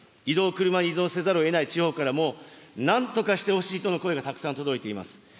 移動を車依存せざるをえない地方からも、なんとかしてほしいとの声がたくさん届いています。